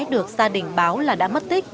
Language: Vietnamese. được gia đình báo là đã mất tích